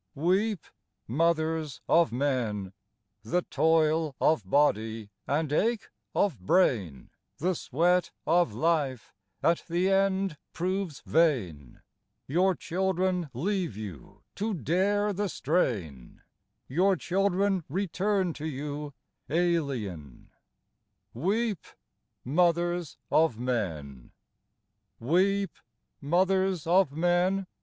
Weep, mothers of men ! The toil of body and ache of brain, The sweat of life at the end proves vain ; Your children leave you to dare the strain, Your children return to you alien Weep, mothers of men ! 44 MOTHERS OF MEN Weep, mothers of men